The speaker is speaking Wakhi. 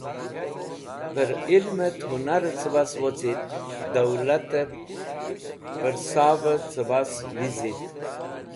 Pẽr ilmẽt hũnarẽ cẽbas wocit dowlatẽb pẽr savẽ cẽbas wizit.